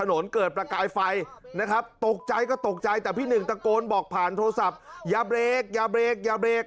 นะครับอาจจะมาทุกหนักนั่นแหละ